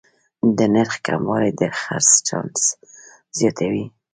د نرخ کموالی د خرڅ چانس زیاتوي.